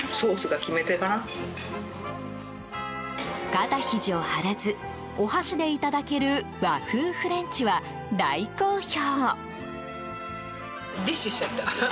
肩ひじを張らずお箸でいただける和風フレンチは大好評。